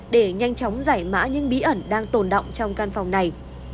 để nhanh chóng giải mã những bí ẩn đang tồn động trong căn phòng này